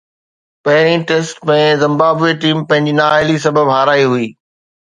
پهرين test ۾ Zimbabwe team پنهنجي نااهلي سبب هارائي هئي.